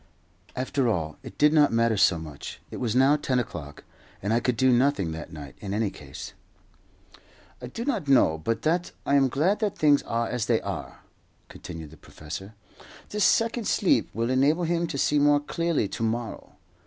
After all, it did not matter so much. It was now ten o'clock, and I could do nothing that night, in any case. "I do not know but that I am glad that things are as they are," continued the professor. "This second sleep will enable him to see more clearly to morrow.